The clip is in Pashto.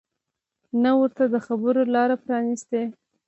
نه ورته د خبرو لاره پرانیستې